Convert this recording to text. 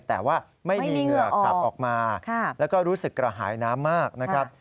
แต่ว่าไม่มีเหงื่อขับออกมาแล้วก็รู้สึกกระหายน้ำมากนะครับ